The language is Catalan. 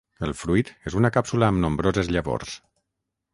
El fruit és una càpsula amb nombroses llavors.